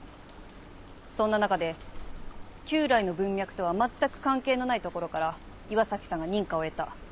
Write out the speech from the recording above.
そんな中で旧来の文脈とは全く関係のないところから岩崎さんが認可を得た。